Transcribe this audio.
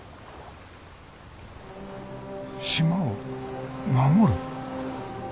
島を守る？